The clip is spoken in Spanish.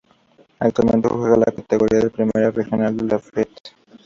Actualmente juega en la categoría de Primera Regional de la Fed.